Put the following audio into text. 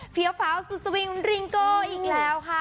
เฟียร์ฟาวซุสวิงริงโกะอีกแล้วค่ะ